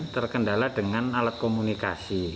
terkendala dengan alat komunikasi